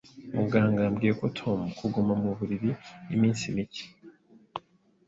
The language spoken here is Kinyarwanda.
Muganga yabwiye Tom kuguma mu buriri iminsi mike.